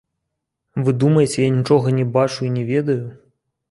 Вы думаеце, я нічога не бачу і не ведаю.